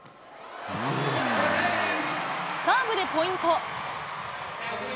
サーブでポイント。